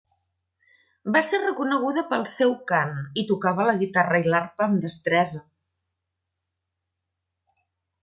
Va ser reconeguda pel seu cant i tocava la guitarra i l'arpa amb destresa.